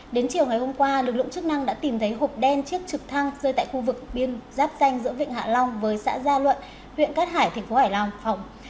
đến chiều ngày hôm qua lực lượng chức năng đã tìm thấy hộp đen chiếc trực thăng rơi tại khu vực biên giáp danh giữa vịnh hạ long với xã gia luận huyện cát hải thành phố hải phòng